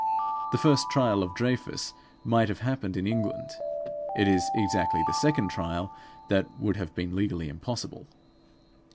The first trial of Dreyfus might have happened in England; it is exactly the second trial that would have been legally impossible.